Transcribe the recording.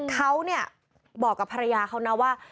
เขาเนี่ยบอกกับภรรยาเขานะว่า